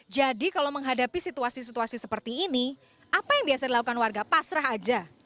jadi kalau menghadapi situasi situasi seperti ini apa yang biasa dilakukan warga pasrah aja